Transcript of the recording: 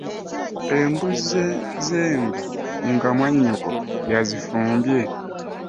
Embuuze z'enva nga mwanyokko y'azifumbye .